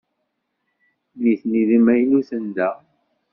Nitni d imaynuten da.